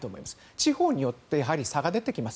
地方によって差が出てきます。